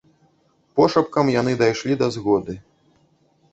Пошапкам яны дайшлі да згоды.